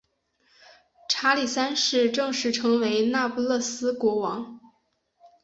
查理三世正式成为那不勒斯国王。